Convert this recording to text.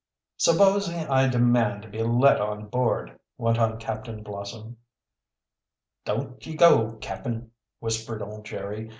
"Supposing I demand to be let on board?" went on Captain Blossom. "Don't ye go, cap'n," whispered old Jerry.